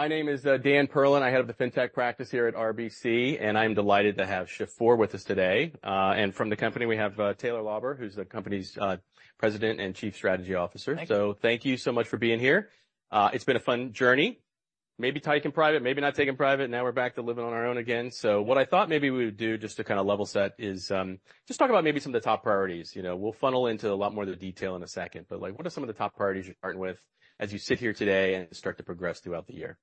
My name is Dan Perlin. I [held] the FinTech practice here at RBC, and I'm delighted to have Shift4 with us today. From the company, we have Taylor Lauber, who's the company's President and Chief Strategy Officer. Thank you so much for being here. It's been a fun journey. Maybe taken private, maybe not taken private. Now we're back to living on our own again. What I thought maybe we would do just to kind of level set is just talk about maybe some of the top priorities. We'll funnel into a lot more of the detail in a second, but what are some of the top priorities you're starting with as you sit here today and start to progress throughout the year?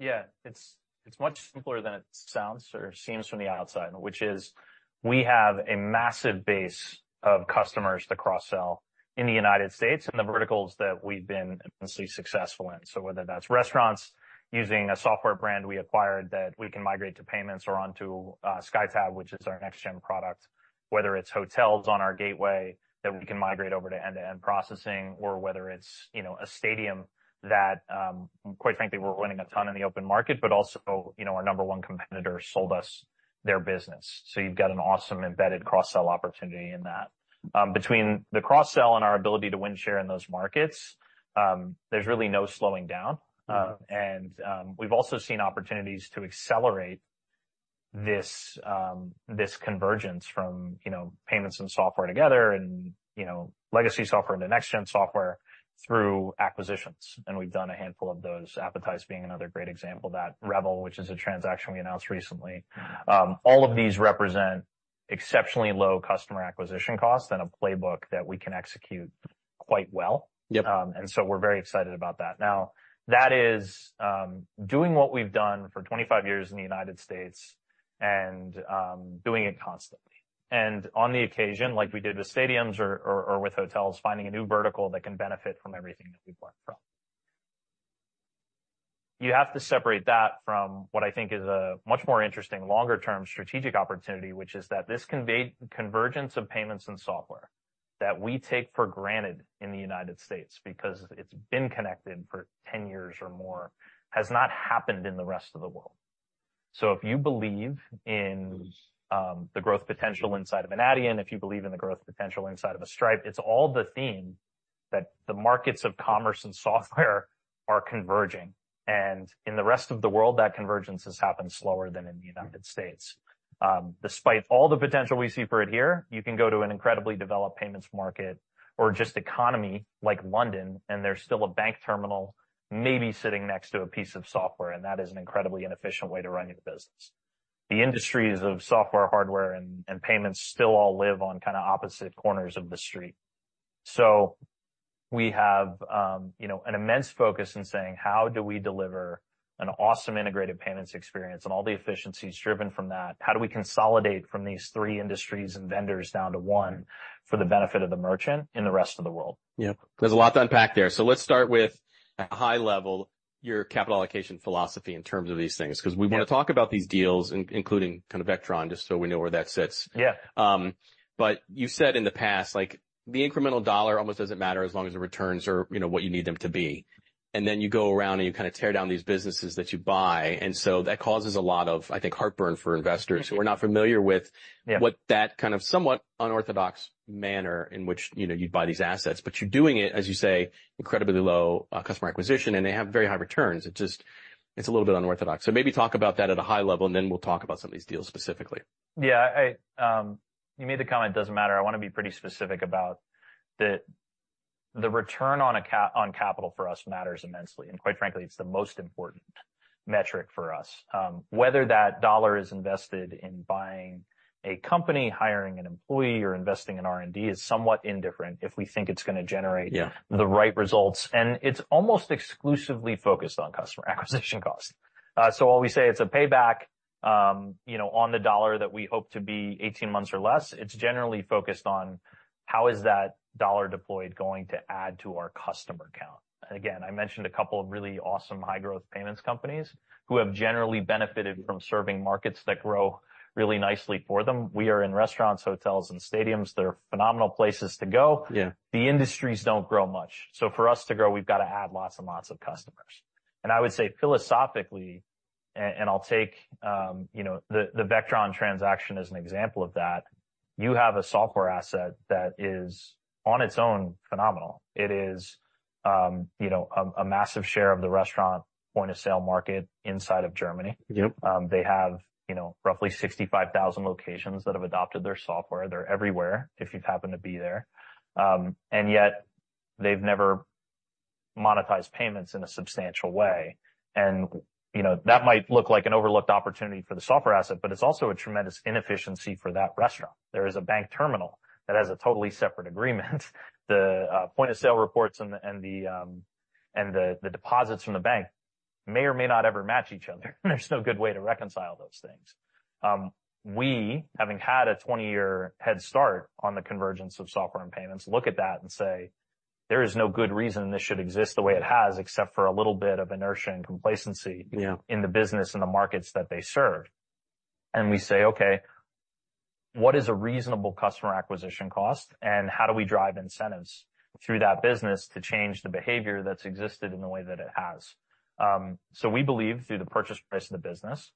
Yeah, it's much simpler than it sounds or seems from the outside, which is we have a massive base of customers to cross-sell in the United States and the verticals that we've been immensely successful in. So whether that's restaurants using a software brand we acquired that we can migrate to payments or onto SkyTab, which is our next-gen product, whether it's hotels on our gateway that we can migrate over to end-to-end processing, or whether it's a stadium that, quite frankly, we're winning a ton in the open market, but also our number one competitor sold us their business. So you've got an awesome embedded cross-sell opportunity in that. Between the cross-sell and our ability to win share in those markets, there's really no slowing down. And we've also seen opportunities to accelerate this convergence from payments and software together and legacy software into next-gen software through acquisitions. We've done a handful of those. Appetize being another great example. That Revel, which is a transaction we announced recently, all of these represent exceptionally low customer acquisition costs and a playbook that we can execute quite well. Yep, We're very excited about that. Now, that is doing what we've done for 25 years in the United States and doing it constantly. On the occasion, like we did with stadiums or with hotels, finding a new vertical that can benefit from everything that we've learned from. You have to separate that from what I think is a much more interesting longer-term strategic opportunity, which is that this convergence of payments and software that we take for granted in the United States because it's been connected for 10 years or more has not happened in the rest of the world. So if you believe in the growth potential inside of an Adyen, if you believe in the growth potential inside of a Stripe, it's all the theme that the markets of commerce and software are converging. In the rest of the world, that convergence has happened slower than in the United States. Despite all the potential we see for it here, you can go to an incredibly developed payments market or just economy like London, and there's still a bank terminal maybe sitting next to a piece of software, and that is an incredibly inefficient way to run your business. The industries of software, hardware, and payments still all live on kind of opposite corners of the street. We have an immense focus in saying, how do we deliver an awesome integrated payments experience and all the efficiencies driven from that? How do we consolidate from these three industries and vendors down to one for the benefit of the merchant in the rest of the world? Yeah, there's a lot to unpack there. So let's start with, at a high level, your capital allocation philosophy in terms of these things, because we want to talk about these deals, including kind of Vectron, just so we know where that sits. Yeah, But you said in the past, the incremental dollar almost doesn't matter as long as the returns are what you need them to be. And then you go around and you kind of tear down these businesses that you buy. And so that causes a lot of, I think, heartburn for investors who are not familiar with what that kind of somewhat unorthodox manner in which you'd buy these assets. But you're doing it, as you say, incredibly low customer acquisition, and they have very high returns. It's a little bit unorthodox. Maybe talk about that at a high level, and then we'll talk about some of these deals specifically. Yeah, you made the comment, it doesn't matter. I want to be pretty specific about the return on capital for us matters immensely. Quite frankly, it's the most important metric for us. Whether that dollar is invested in buying a company, hiring an employee, or investing in R&D is somewhat indifferent if we think it's going to generate the right results. It's almost exclusively focused on customer acquisition cost. So while we say it's a payback on the dollar that we hope to be 18 months or less, it's generally focused on how is that dollar deployed going to add to our customer count? Again, I mentioned a couple of really awesome high-growth payments companies who have generally benefited from serving markets that grow really nicely for them. We are in restaurants, hotels, and stadiums. They're phenomenal places to go. Yeah, The industries don't grow much. So for us to grow, we've got to add lots and lots of customers. And I would say philosophically, and I'll take the Vectron transaction as an example of that, you have a software asset that is on its own phenomenal. It is a massive share of the restaurant point of sale market inside of Germany. Yep, They have roughly 65,000 locations that have adopted their software. They're everywhere if you've happened to be there. And yet they've never monetized payments in a substantial way. And that might look like an overlooked opportunity for the software asset, but it's also a tremendous inefficiency for that restaurant. There is a bank terminal that has a totally separate agreement. The point of sale reports and the deposits from the bank may or may not ever match each other. There's no good way to reconcile those things. We, having had a 20-year head start on the convergence of software and payments, look at that and say, there is no good reason this should exist the way it has, except for a little bit of inertia and complacency in the business and the markets that they serve. We say, okay, what is a reasonable customer acquisition cost? And how do we drive incentives through that business to change the behavior that's existed in the way that it has? We believe through the purchase price of the business,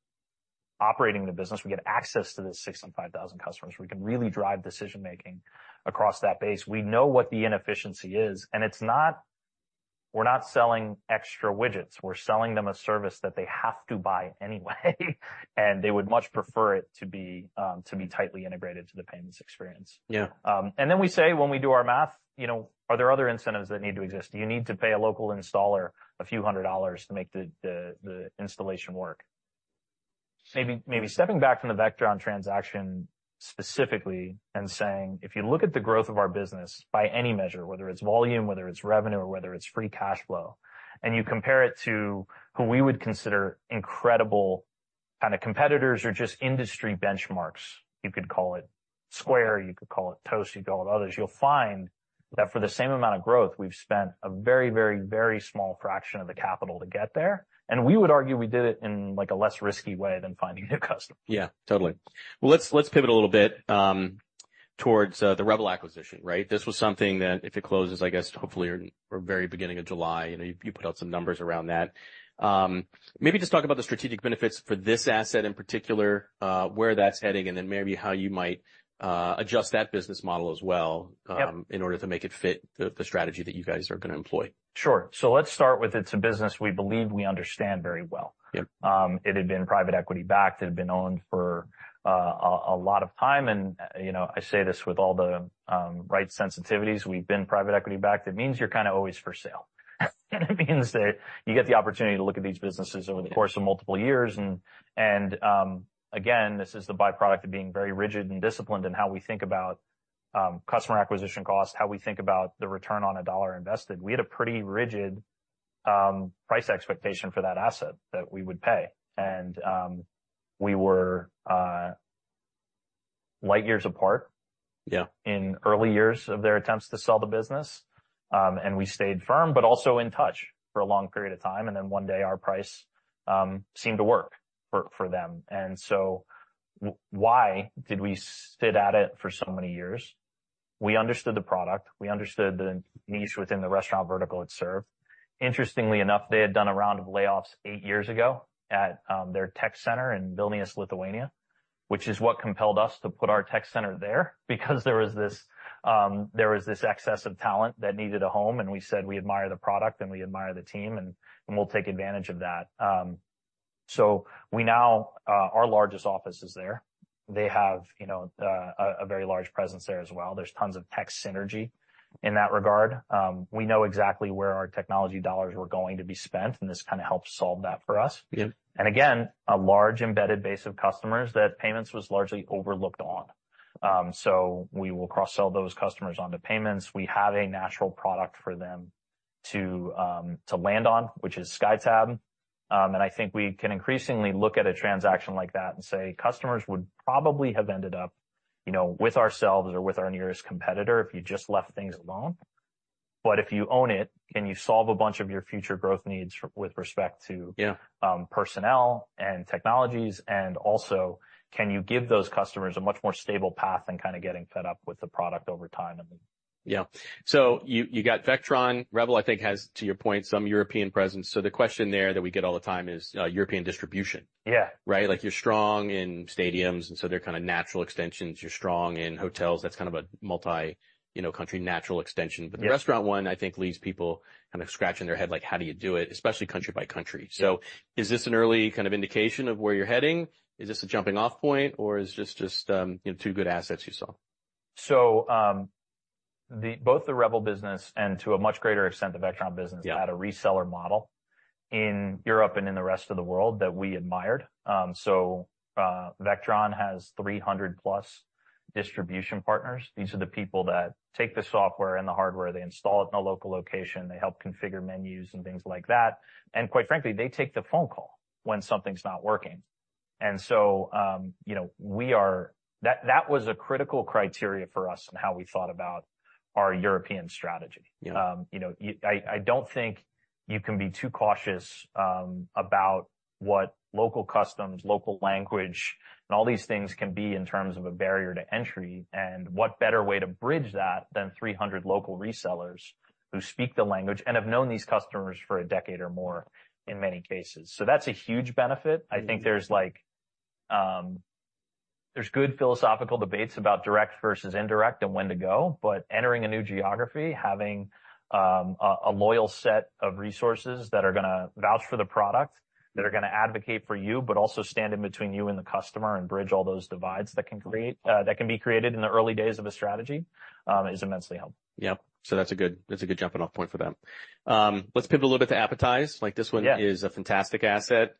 operating the business, we get access to the 65,000 customers. We can really drive decision-making across that base. We know what the inefficiency is. And we're not selling extra widgets. We're selling them a service that they have to buy anyway. And they would much prefer it to be tightly integrated to the payments experience. Yep, And then we say, when we do our math, are there other incentives that need to exist? You need to pay a local installer $a few hundred to make the installation work. Maybe stepping back from the Vectron transaction specifically and saying, if you look at the growth of our business by any measure, whether it's volume, whether it's revenue, or whether it's free cash flow, and you compare it to who we would consider incredible kind of competitors or just industry benchmarks, you could call it Square, you could call it Toast, you could call it others, you'll find that for the same amount of growth, we've spent a very, very, very small fraction of the capital to get there. And we would argue we did it in a less risky way than finding new customers. Yeah, totally. Well, let's pivot a little bit towards the Revel acquisition, right? This was something that, if it closes, I guess, hopefully or very beginning of July, you put out some numbers around that. Maybe just talk about the strategic benefits for this asset in particular, where that's heading, and then maybe how you might adjust that business model as well in order to make it fit the strategy that you guys are going to employ. Sure. So let's start with it's a business we believe we understand very well. It had been private equity-backed. It had been owned for a lot of time. And I say this with all the right sensitivities. We've been private equity-backed. It means you're kind of always for sale. It means that you get the opportunity to look at these businesses over the course of multiple years. And again, this is the byproduct of being very rigid and disciplined in how we think about customer acquisition cost, how we think about the return on a dollar invested. We had a pretty rigid price expectation for that asset that we would pay. And we were light years apart in early years of their attempts to sell the business. And we stayed firm, but also in touch for a long period of time. And then one day our price seemed to work for them. And so why did we sit at it for so many years? We understood the product. We understood the niche within the restaurant vertical it served. Interestingly enough, they had done a round of layoffs eight years ago at their tech center in Vilnius, Lithuania, which is what compelled us to put our tech center there because there was this excess of talent that needed a home. And we said we admire the product and we admire the team, and we'll take advantage of that. So we now, our largest office is there. They have a very large presence there as well. There's tons of tech synergy in that regard. We know exactly where our technology dollars were going to be spent, and this kind of helps solve that for us. Yep, And again, a large embedded base of customers that payments was largely overlooked on. So we will cross-sell those customers onto payments. We have a natural product for them to land on, which is SkyTab. I think we can increasingly look at a transaction like that and say customers would probably have ended up with ourselves or with our nearest competitor if you just left things alone. But if you own it, can you solve a bunch of your future growth needs with respect to, personnel and technologies? Also, can you give those customers a much more stable path in kind of getting fed up with the product over time? Yeah. So you got Vectron. Revel, I think, has, to your point, some European presence. So the question there that we get all the time is European distribution. Yeah. Right? Like you're strong in stadiums, and so they're kind of natural extensions. You're strong in hotels. That's kind of a multi-country natural extension. Yep, But the restaurant one, I think, leaves people kind of scratching their head, like, how do you do it, especially country by country? So is this an early kind of indication of where you're heading? Is this a jumping-off point, or is this just two good assets you saw? So, both the Revel business and, to a much greater extent, the Vectron business had a reseller model in Europe and in the rest of the world that we admired. So Vectron has 300+ distribution partners. These are the people that take the software and the hardware. They install it in a local location. They help configure menus and things like that. And quite frankly, they take the phone call when something's not working. And so that was a critical criteria for us in how we thought about our European strategy. I don't think you can be too cautious about what local customs, local language, and all these things can be in terms of a barrier to entry. And what better way to bridge that than 300 local resellers who speak the language and have known these customers for a decade or more in many cases? That's a huge benefit. I think there's good philosophical debates about direct versus indirect and when to go. Entering a new geography, having a loyal set of resources that are going to vouch for the product, that are going to advocate for you, but also stand in between you and the customer and bridge all those divides that can be created in the early days of a strategy is immensely helpful. Yeah. So that's a good jumping-off point for them. Let's pivot a little bit to Appetize. Like this one is a fantastic asset.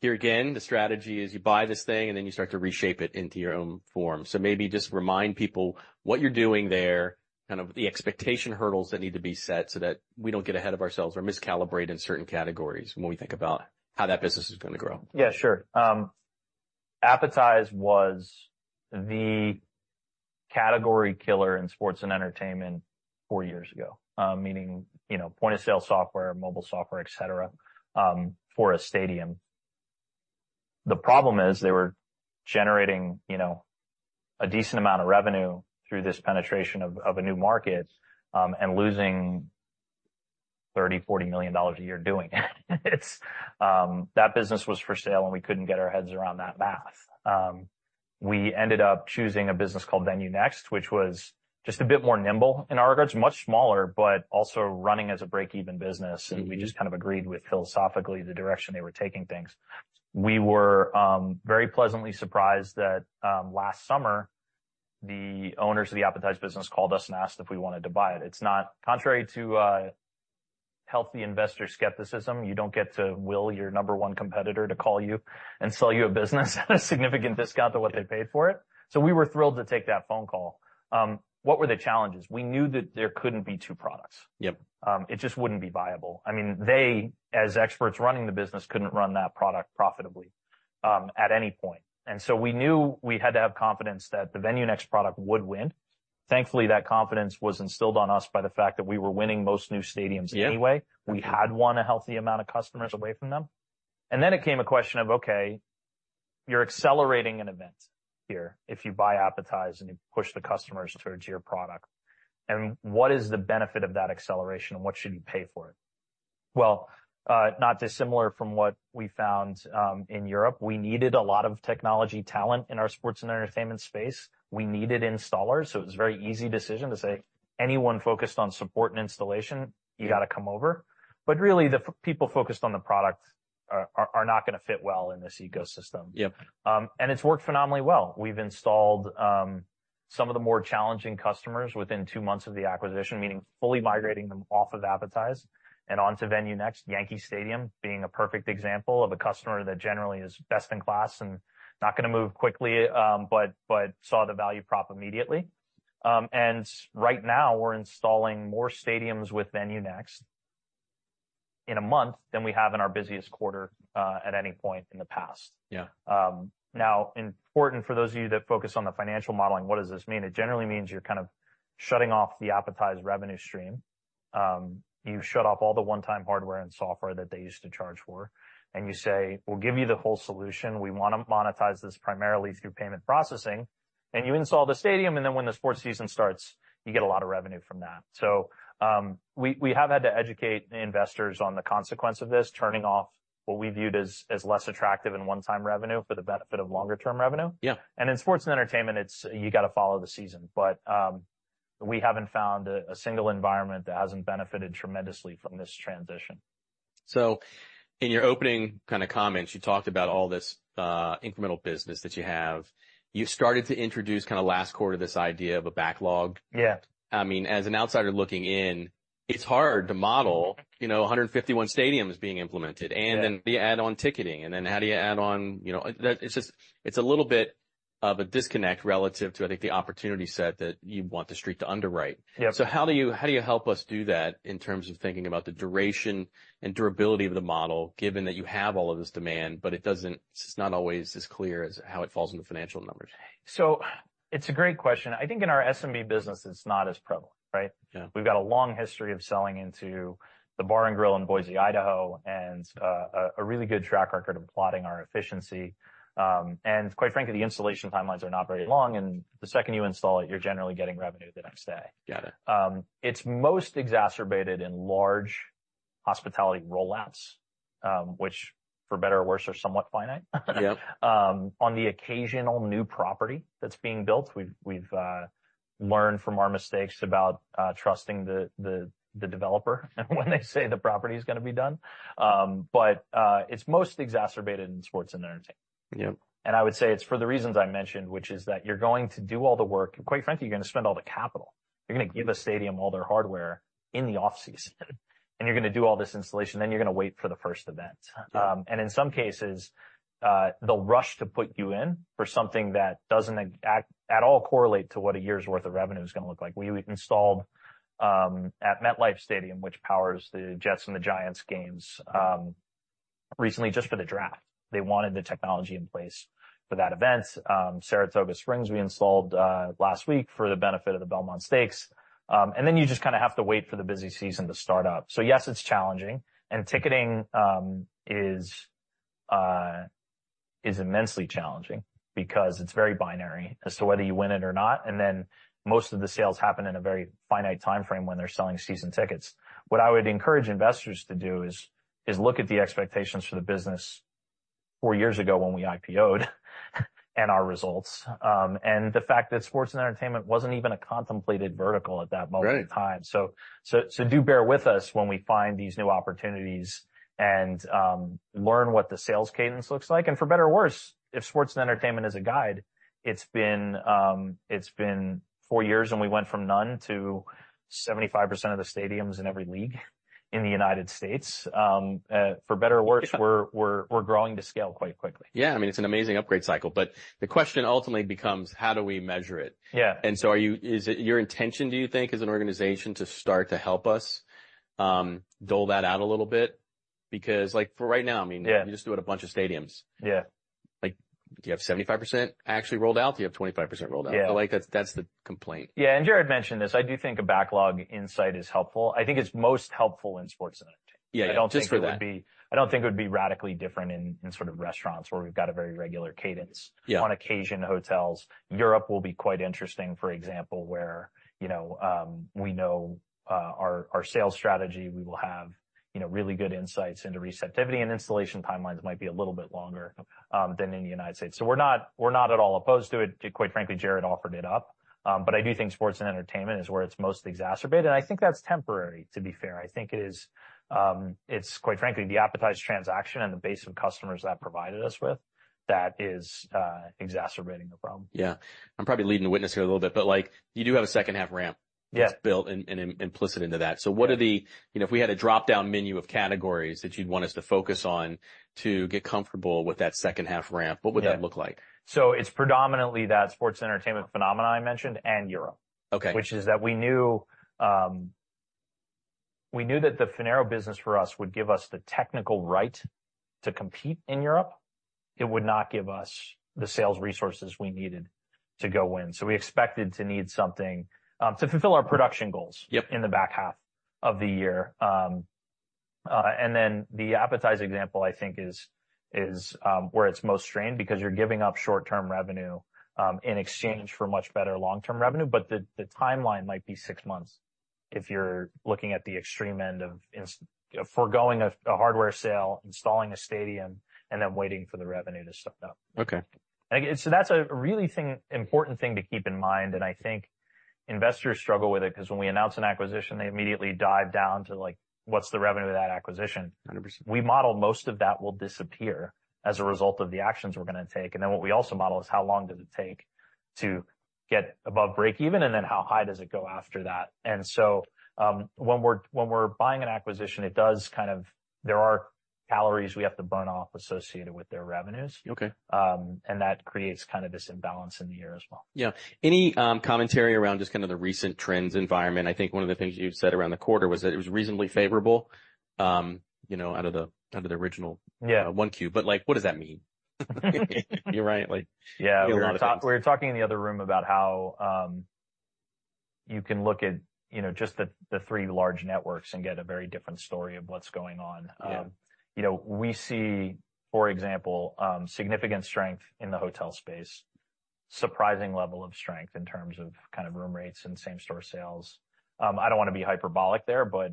Here again, the strategy is you buy this thing and then you start to reshape it into your own form. So maybe just remind people what you're doing there, kind of the expectation hurdles that need to be set so that we don't get ahead of ourselves or miscalibrate in certain categories when we think about how that business is going to grow. Yeah, sure. Appetize was the category killer in sports and entertainment four years ago, meaning point of sale software, mobile software, etc., for a stadium. The problem is they were generating a decent amount of revenue through this penetration of a new market and losing $30 to 40 million a year doing it. That business was for sale, and we couldn't get our heads around that math. We ended up choosing a business called VenueNext, which was just a bit more nimble in our regards, much smaller, but also running as a break-even business. And we just kind of agreed with philosophically the direction they were taking things. We were very pleasantly surprised that last summer, the owners of the Appetize business called us and asked if we wanted to buy it. It's not contrary to healthy investor skepticism. You don't get to will your number one competitor to call you and sell you a business at a significant discount to what they paid for it. So we were thrilled to take that phone call. What were the challenges? We knew that there couldn't be two products. Yep. It just wouldn't be viable. I mean, they, as experts running the business, couldn't run that product profitably at any point. And so we knew we had to have confidence that the VenueNext product would win. Thankfully, that confidence was instilled on us by the fact that we were winning most new stadiums anyway. Yep. We had won a healthy amount of customers away from them. And then it came a question of, okay, you're accelerating an event here if you buy Appetize and you push the customers towards your product. And what is the benefit of that acceleration, and what should you pay for it? Well, not dissimilar from what we found in Europe, we needed a lot of technology talent in our sports and entertainment space. We needed installers. So it was a very easy decision to say, anyone focused on support and installation, you got to come over. But really, the people focused on the product are not going to fit well in this ecosystem. And it's worked phenomenally well. We've installed some of the more challenging customers within two months of the acquisition, meaning fully migrating them off of Appetize and onto VenueNext. Yankee Stadium being a perfect example of a customer that generally is best in class and not going to move quickly, but saw the value prop immediately. And right now, we're installing more stadiums with VenueNext in a month than we have in our busiest quarter at any point in the past. Now, important for those of you that focus on the financial modeling, what does this mean? It generally means you're kind of shutting off the Appetize revenue stream. You shut off all the one-time hardware and software that they used to charge for. And you say, we'll give you the whole solution. We want to monetize this primarily through payment processing. And you install the stadium, and then when the sports season starts, you get a lot of revenue from that. So we have had to educate investors on the consequence of this, turning off what we viewed as less attractive in one-time revenue for the benefit of longer-term revenue. Yep. And in sports and entertainment, you got to follow the season. But we haven't found a single environment that hasn't benefited tremendously from this transition. So in your opening kind of comments, you talked about all this incremental business that you have. You started to introduce kind of last quarter this idea of a backlog. Yeah. I mean, as an outsider looking in, it's hard to model 151 stadiums being implemented. And then how do you add on ticketing? And then how do you add on? It's a little bit of a disconnect relative to, I think, the opportunity set that you want the street to underwrite. So how do you help us do that in terms of thinking about the duration and durability of the model, given that you have all of this demand, but it's not always as clear as how it falls into financial numbers? It's a great question. I think in our SMB business, it's not as prevalent, right? We've got a long history of selling into the bar and grill in Boise, Idaho, and a really good track record of plotting our efficiency. Quite frankly, the installation timelines are not very long. The second you install it, you're generally getting revenue the next day. Got it. It's most exacerbated in large hospitality rollouts, which, for better or worse, are somewhat finite. On the occasional new property that's being built, we've learned from our mistakes about trusting the developer when they say the property is going to be done. It's most exacerbated in sports and entertainment. Yep. I would say it's for the reasons I mentioned, which is that you're going to do all the work. Quite frankly, you're going to spend all the capital. You're going to give a stadium all their hardware in the off-season. And you're going to do all this installation. Then you're going to wait for the first event. And in some cases, they'll rush to put you in for something that doesn't at all correlate to what a year's worth of revenue is going to look like. We installed at MetLife Stadium, which powers the Jets and the Giants games recently just for the draft. They wanted the technology in place for that event. Saratoga Springs we installed last week for the benefit of the Belmont Stakes. And then you just kind of have to wait for the busy season to start up. So yes, it's challenging. And ticketing is immensely challenging because it's very binary as to whether you win it or not. And then most of the sales happen in a very finite timeframe when they're selling season tickets. What I would encourage investors to do is look at the expectations for the business four years ago when we IPOed and our results and the fact that sports and entertainment wasn't even a contemplated vertical at that moment in time. So do bear with us when we find these new opportunities and learn what the sales cadence looks like. And for better or worse, if sports and entertainment is a guide, it's been four years and we went from none to 75% of the stadiums in every league in the United States. For better or worse, we're growing to scale quite quickly. Yeah. I mean, it's an amazing upgrade cycle. But the question ultimately becomes, how do we measure it? Yeah. And so is it your intention, do you think, as an organization to start to help us dole that out a little bit? Because for right now, I mean, you just do it at a bunch of stadiums. Yeah. Do you have 75% actually rolled out? Do you have 25% rolled out? I feel like that's the complaint. Yeah. Jared mentioned this. I do think a backlog insight is helpful. I think it's most helpful in sports and entertainment. Yeah, just for that. I don't think it would be radically different in sort of restaurants where we've got a very regular cadence. Yeah. On occasion, hotels. Europe will be quite interesting, for example, where we know our sales strategy. We will have really good insights into receptivity, and installation timelines might be a little bit longer than in the United States. So we're not at all opposed to it. Quite frankly, Jared offered it up. I do think sports and entertainment is where it's most exacerbated. I think that's temporary, to be fair. I think it's, quite frankly, the Appetize transaction and the base of customers that provided us with that is exacerbating the problem. Yeah. I'm probably leading the witness here a little bit, but you do have a second-half ramp Yes. that's built and implicit into that. So what are the, if we had a drop-down menu of categories that you'd want us to focus on to get comfortable with that second-half ramp, what would that look like? So it's predominantly that sports and entertainment phenomenon I mentioned and Europe. Okay. Which is that we knew that the Vectron business for us would give us the technical right to compete in Europe. It would not give us the sales resources we needed to go win. So we expected to need something to fulfill our production goals in the back half of the year. And then the Appetize example, I think, is where it's most strained because you're giving up short-term revenue in exchange for much better long-term revenue. But the timeline might be six months if you're looking at the extreme end of forgoing a hardware sale, installing a stadium, and then waiting for the revenue to start up. Okay. So that's a really important thing to keep in mind. I think investors struggle with it because when we announce an acquisition, they immediately dive down to what's the revenue of that acquisition. We model most of that will disappear as a result of the actions we're going to take. Then what we also model is how long does it take to get above breakeven and then how high does it go after that. When we're buying an acquisition, it does kind of, there are calories we have to burn off associated with their revenues. Okay. That creates kind of this imbalance in the year as well. Yeah. Any commentary around just kind of the recent trends environment? I think one of the things you said around the quarter was that it was reasonably favorable out of the original Q1. Yeah. But what does that mean? You're right. Yeah. We were talking in the other room about how you can look at just the three large networks and get a very different story of what's going on. Yep. We see, for example, significant strength in the hotel space, surprising level of strength in terms of kind of room rates and same-store sales. I don't want to be hyperbolic there, but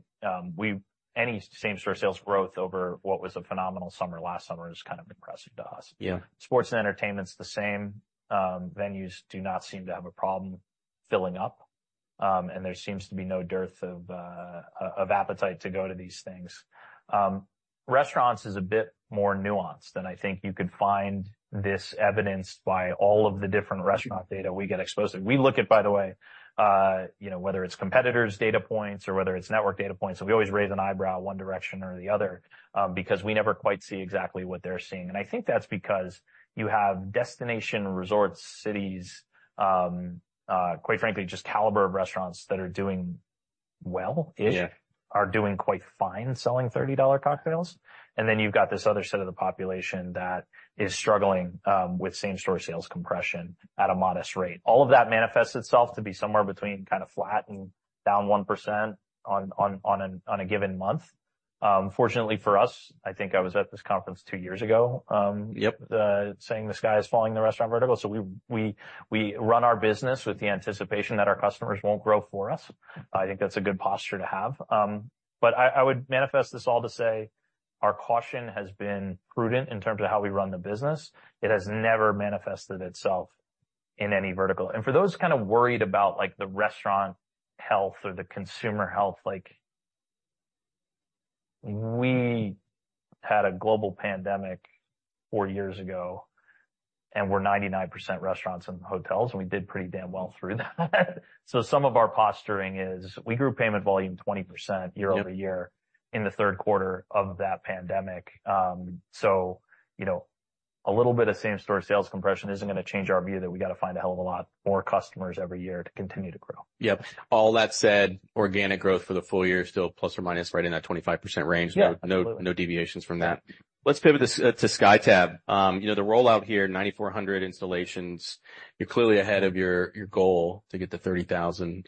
any same-store sales growth over what was a phenomenal summer last summer is kind of impressive to us. Yeah. Sports and entertainment's the same. Venues do not seem to have a problem filling up. And there seems to be no dearth of appetite to go to these things. Restaurants is a bit more nuanced than I think you could find this evidenced by all of the different restaurant data we get exposed to. We look at, by the way, whether it's competitors' data points or whether it's network data points. We always raise an eyebrow one direction or the other because we never quite see exactly what they're seeing. I think that's because you have destination resorts, cities, quite frankly, just caliber of restaurants that are doing well-ish, are doing quite fine selling $30 cocktails. Then you've got this other set of the population that is struggling with same-store sales compression at a modest rate. All of that manifests itself to be somewhere between kind of flat and down 1% on a given month. Fortunately for us, I think I was at this conference two years ago saying the sky is falling in the restaurant vertical. We run our business with the anticipation that our customers won't grow for us. I think that's a good posture to have. I would manifest this all to say our caution has been prudent in terms of how we run the business. It has never manifested itself in any vertical. For those kind of worried about the restaurant health or the consumer health, we had a global pandemic four years ago, and we're 99% restaurants and hotels. We did pretty damn well through that. Some of our posturing is we grew payment volume 20% year-over-year in the third quarter of that pandemic. A little bit of same-store sales compression isn't going to change our view that we got to find a hell of a lot more customers every year to continue to grow. Yep. All that said, organic growth for the full year is still ± right in that 25% range. Yeah, No deviations from that. Let's pivot to SkyTab. The rollout here, 9,400 installations. You're clearly ahead of your goal to get to 30,000.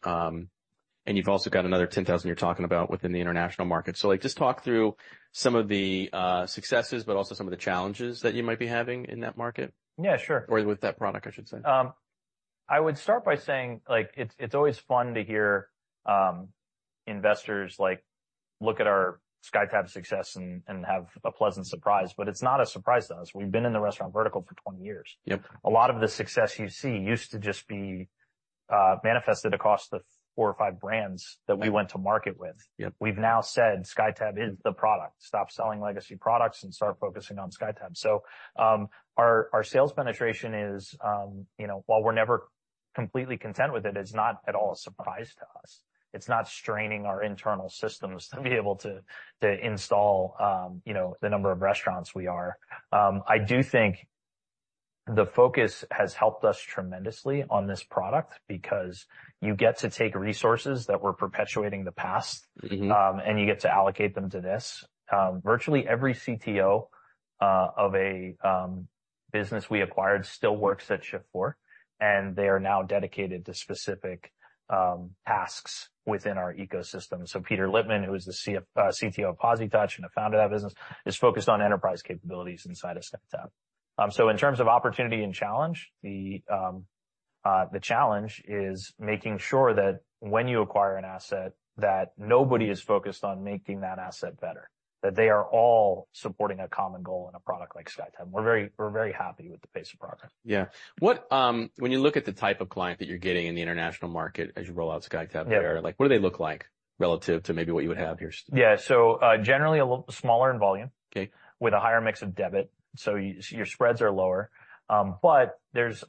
And you've also got another 10,000 you're talking about within the international market. So just talk through some of the successes, but also some of the challenges that you might be having in that market. Yeah, sure. Or with that product, I should say. I would start by saying it's always fun to hear investors look at our SkyTab success and have a pleasant surprise. But it's not a surprise to us. We've been in the restaurant vertical for 20 years. Yep, A lot of the success you see used to just be manifested across the four or five brands that we went to market with. Yep, We've now said SkyTab is the product. Stop selling legacy products and start focusing on SkyTab. So our sales penetration is, while we're never completely content with it, it's not at all a surprise to us. It's not straining our internal systems to be able to install the number of restaurants we are. I do think the focus has helped us tremendously on this product because you get to take resources that were perpetuating the past, and you get to allocate them to this. Virtually every CTO of a business we acquired still works at Shift4, and they are now dedicated to specific tasks within our ecosystem. So Peter Lipman, who is the CTO of POSitouch and the founder of that business, is focused on enterprise capabilities inside of SkyTab. So in terms of opportunity and challenge, the challenge is making sure that when you acquire an asset, that nobody is focused on making that asset better, that they are all supporting a common goal and a product like SkyTab. We're very happy with the pace of progress. Yeah. When you look at the type of client that you're getting in the international market as you roll out SkyTab there, what do they look like relative to maybe what you would have here? Yeah. So generally a little smaller in volume with a higher mix of debit. So your spreads are lower. But there's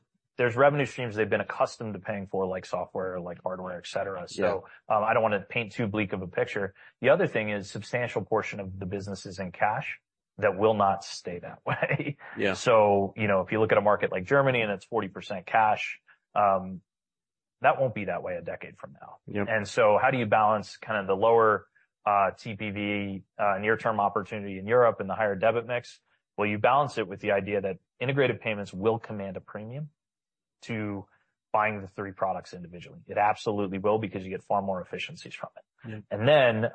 revenue streams they've been accustomed to paying for, like software, like hardware, etc. So I don't want to paint too bleak of a picture. The other thing is a substantial portion of the business is in cash that will not stay that way. Yeah, So if you look at a market like Germany and it's 40% cash, that won't be that way a decade from now. Yep, And so how do you balance kind of the lower TPV, near-term opportunity in Europe and the higher debit mix? Well, you balance it with the idea that integrated payments will command a premium to buying the three products individually. It absolutely will because you get far more efficiencies from it. And then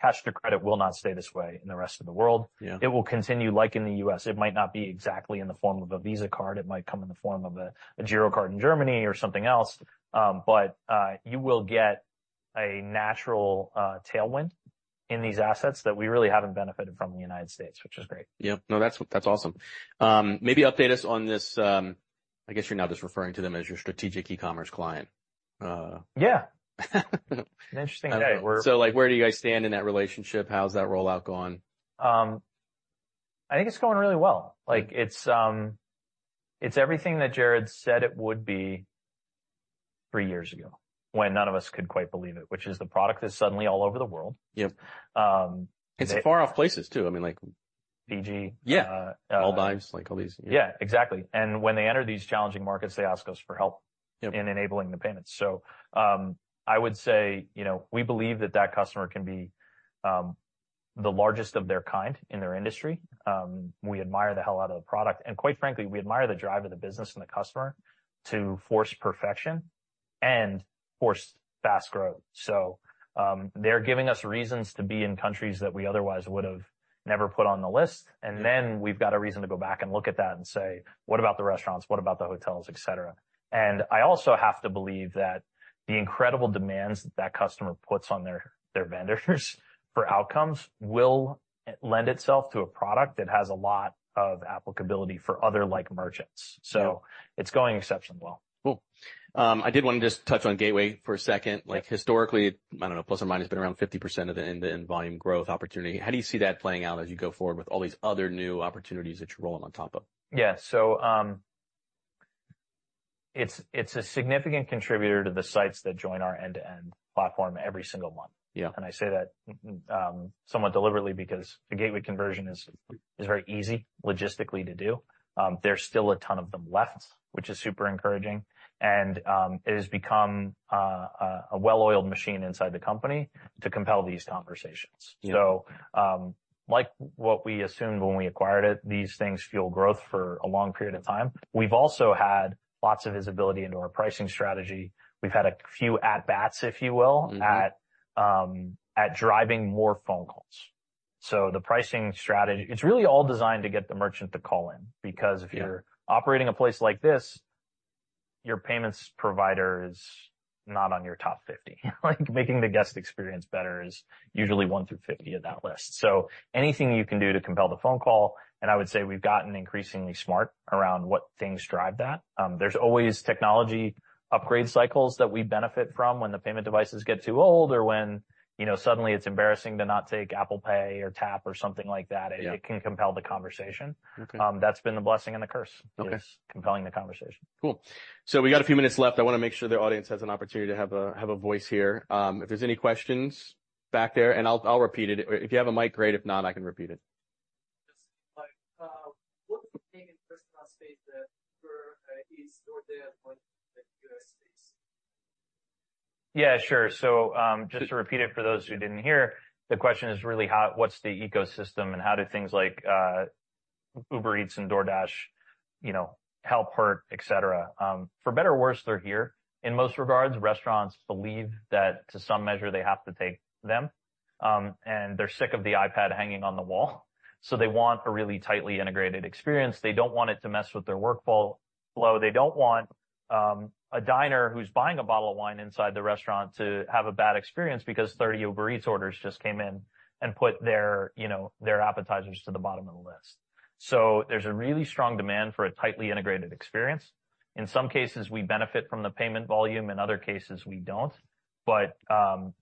cash to credit will not stay this way in the rest of the world. Yep, It will continue like in the US. It might not be exactly in the form of a Visa card. It might come in the form of a Girocard in Germany or something else. But you will get a natural tailwind in these assets that we really haven't benefited from in the United States, which is great. Yeah. No, that's awesome. Maybe update us on this. I guess you're now just referring to them as your strategic e-commerce client. Yeah. An interesting day. Where do you guys stand in that relationship? How's that rollout going? I think it's going really well. It's everything that Jared said it would be three years ago when none of us could quite believe it, which is the product is suddenly all over the world. Yep, it's far off places too. I mean. Fiji. Yeah. Maldives, like all these. Yeah, exactly. And when they enter these challenging markets, they ask us for help in enabling the payments. So I would say we believe that that customer can be the largest of their kind in their industry. We admire the hell out of the product. And quite frankly, we admire the drive of the business and the customer to force perfection and force fast growth. So they're giving us reasons to be in countries that we otherwise would have never put on the list. And then we've got a reason to go back and look at that and say, "What about the restaurants? What about the hotels, etc.?" And I also have to believe that the incredible demands that that customer puts on their vendors for outcomes will lend itself to a product that has a lot of applicability for other-like merchants. So it's going exceptionally well. Cool. I did want to just touch on Gateway for a second. Historically, I don't know, ±50% of the end-to-end volume growth opportunity. How do you see that playing out as you go forward with all these other new opportunities that you're rolling on top of? Yeah. So it's a significant contributor to the sites that join our end-to-end platform every single month. Yep, I say that somewhat deliberately because the Gateway conversion is very easy logistically to do. There's still a ton of them left, which is super encouraging. It has become a well-oiled machine inside the company to compel these conversations. Like what we assumed when we acquired it, these things fuel growth for a long period of time. We've also had lots of visibility into our pricing strategy. We've had a few at-bats, if you will, at driving more phone calls. The pricing strategy, it's really all designed to get the merchant to call in because if you're operating a place like this, your payments provider is not on your top 50. Making the guest experience better is usually one through 50 of that list. So anything you can do to compel the phone call. I would say we've gotten increasingly smart around what things drive that. There's always technology upgrade cycles that we benefit from when the payment devices get too old or when suddenly it's embarrassing to not take Apple Pay or Tap or something like that. Yep, It can compel the conversation. Okay. That's been the blessing and the curse is compelling the conversation. Cool. So we got a few minutes left. I want to make sure the audience has an opportunity to have a voice here. If there's any questions back there, and I'll repeat it. If you have a mic, great. If not, I can repeat it. [inaudible] Yeah, sure. So just to repeat it for those who didn't hear, the question is really hot, what's the ecosystem and how do things like Uber Eats and DoorDash help hurt, etc.? For better or worse, they're here. In most regards, restaurants believe that to some measure they have to take them. And they're sick of the iPad hanging on the wall. So they want a really tightly integrated experience. They don't want it to mess with their workflow. They don't want a diner who's buying a bottle of wine inside the restaurant to have a bad experience because 30 Uber Eats orders just came in and put their appetizers to the bottom of the list. So there's a really strong demand for a tightly integrated experience. In some cases, we benefit from the payment volume. In other cases, we don't. But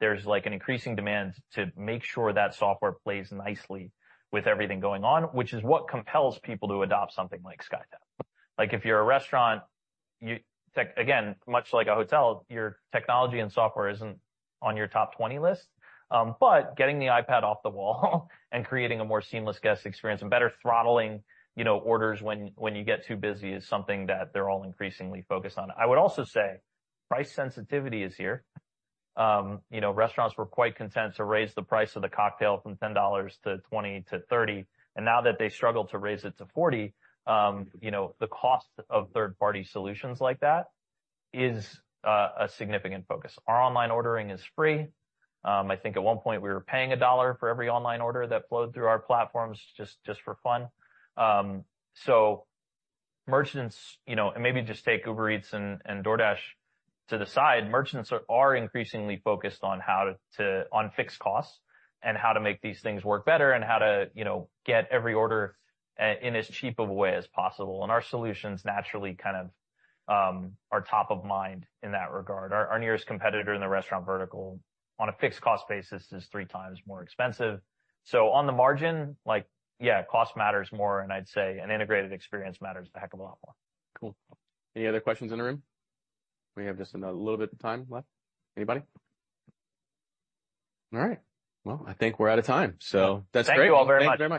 there's an increasing demand to make sure that software plays nicely with everything going on, which is what compels people to adopt something like SkyTab. If you're a restaurant, again, much like a hotel, your technology and software isn't on your top 20 list. But getting the iPad off the wall and creating a more seamless guest experience and better throttling orders when you get too busy is something that they're all increasingly focused on. I would also say price sensitivity is here. Restaurants were quite content to raise the price of the cocktail from $10 to $20 to $30. And now that they struggle to raise it to $40, the cost of third-party solutions like that is a significant focus. Our online ordering is free. I think at one point we were paying $1 for every online order that flowed through our platforms just for fun. So merchants, and maybe just take Uber Eats and DoorDash to the side, merchants are increasingly focused on fixed costs and how to make these things work better and how to get every order in as cheap of a way as possible. And our solutions naturally kind of are top of mind in that regard. Our nearest competitor in the restaurant vertical on a fixed cost basis is three times more expensive. So on the margin, yeah, cost matters more. And I'd say an integrated experience matters a heck of a lot more. Cool. Any other questions in the room? We have just a little bit of time left. Anybody? All right. Well, I think we're out of time. So that's great. Thank you all very much.